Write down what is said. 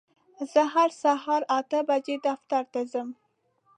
زه هر سهار اته بجې دفتر ته ځم.